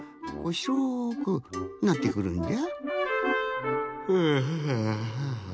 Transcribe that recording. しょくなってくるんじゃ。